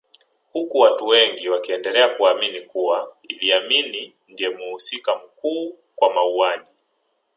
Huku watu wengi wakiendelea kuamini kuwa Idi Amin ndiye mhusika mkuu kwa mauaji